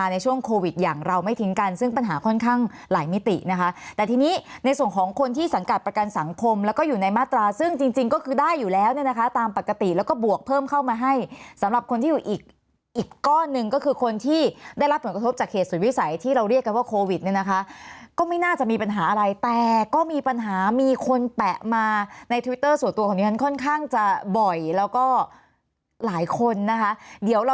ในช่วงโควิดอย่างเราไม่ทิ้งกันซึ่งปัญหาค่อนข้างหลายมิตินะคะแต่ทีนี้ในส่วนของคนที่สังกัดประกันสังคมแล้วก็อยู่ในมาตราซึ่งจริงจริงก็คือได้อยู่แล้วเนี่ยนะคะตามปกติแล้วก็บวกเพิ่มเข้ามาให้สำหรับคนที่อยู่อีกอีกก้อนหนึ่งก็คือคนที่ได้รับผลกระทบจากเขตส่วนวิสัยที่เราเรียกกันว่าโควิดเนี่ย